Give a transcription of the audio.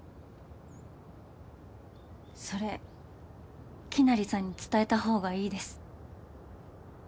それきなりさんに伝えた方がいいです。